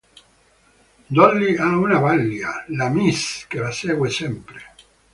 Dolly ha una balia, la "miss", che la segue sempre.